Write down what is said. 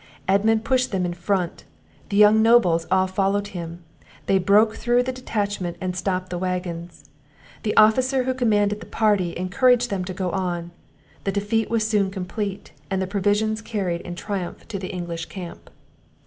Edmund pushed them in front; the young nobles all followed him; they broke through the detachment, and stopped the waggons. The officer who commanded the party, encouraged them to go on; the defeat was soon complete, and the provisions carried in triumph to the English camp.